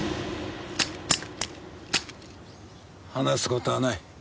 話す事はない。